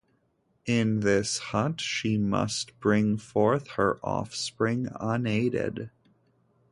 In this hut she must bring forth her offspring unaided.